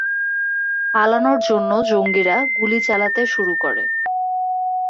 পালানোর জন্য জঙ্গিরা গুলি চালাতে শুরু করে।